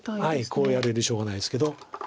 こうやるよりしょうがないですけど。